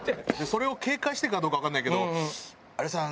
それを警戒してかどうかわかんないけど「有吉さん